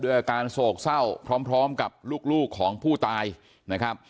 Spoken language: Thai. ที่เกิดเกิดเหตุอยู่หมู่๖บ้านน้ำผู้ตะมนต์ทุ่งโพนะครับที่เกิดเกิดเหตุอยู่หมู่๖บ้านน้ำผู้ตะมนต์ทุ่งโพนะครับ